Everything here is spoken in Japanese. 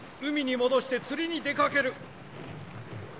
海に戻して釣りに出かける。